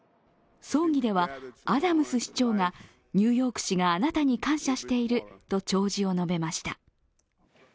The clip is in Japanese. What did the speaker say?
葬儀ではアダムス市長がニューヨーク市があなたに感謝していると弔辞を述べました。